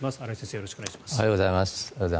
よろしくお願いします。